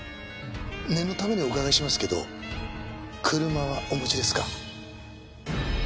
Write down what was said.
念のためにお伺いしますけど車はお持ちですか？